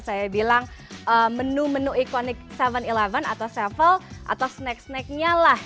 saya bilang menu menu ikonik tujuh sebelas atau sevel atau snack snacknya lah